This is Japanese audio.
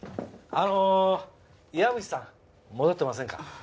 あの岩淵さん戻ってませんか？